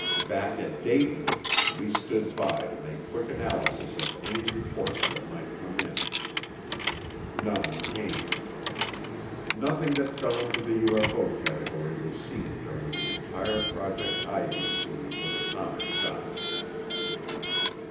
Back at Dayton we stood by to make quick analysis of any reports that might come in none came. Nothing that fell into the UFO category was seen during the entire Project Ivy series of atomic shots.